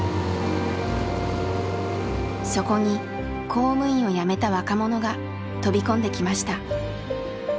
そこに公務員を辞めた若者が飛び込んできました。